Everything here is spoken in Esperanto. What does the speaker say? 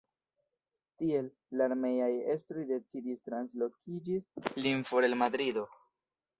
Tiel, la armeaj estroj decidis translokigi lin for el Madrido.